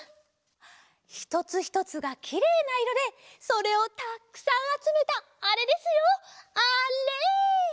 ひとつひとつがきれいないろでそれをたっくさんあつめたあれですよあれ！